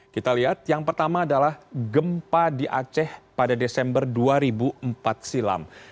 kita lihat yang pertama adalah gempa di aceh pada desember dua ribu empat silam